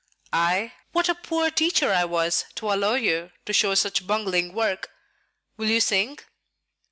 "I? What a poor teacher I was to allow you to show such bungling work! Will you sing?"